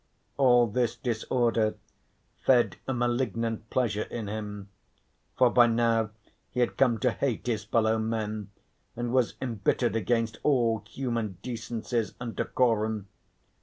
All this disorder fed a malignant pleasure in him. For by now he had come to hate his fellow men and was embittered against all human decencies and decorum.